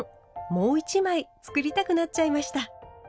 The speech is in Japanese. もう１枚作りたくなっちゃいました。